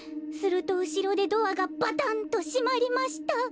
すると、後ろでドアがバタン！と閉まりました」。